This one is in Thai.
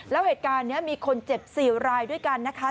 แล้วเหตุการณ์นี้มีคนเจ็บ๔รายด้วยกันนะคะ